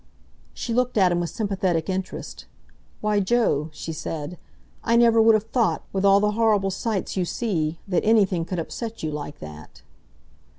She looked at him with sympathetic interest. "Why, Joe," she said, "I never would have thought, with all the horrible sights you see, that anything could upset you like that."